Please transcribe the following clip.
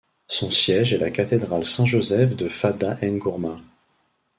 Son siège est la cathédrale Saint-Joseph de Fada N’Gourma.